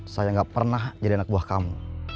saya gak pernah jadi anak buah kamu